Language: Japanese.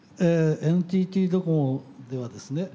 ＮＴＴドコモではですね